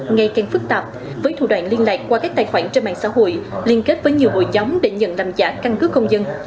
ngày càng phức tạp với thủ đoạn liên lạc qua các tài khoản trên mạng xã hội liên kết với nhiều hội chống để nhận làm giả căn cứ công dân